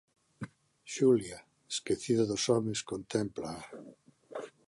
Xulia, esquecida dos homes, contémplaa.